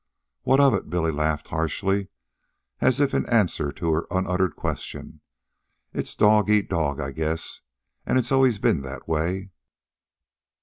"What of it," Billy laughed harshly, as if in answer to her unuttered questions. "It's dog eat dog, I guess, and it's always ben that way.